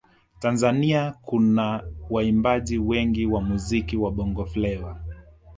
Tanzania kuna waimbaji wengi wa muziki wa bongo fleva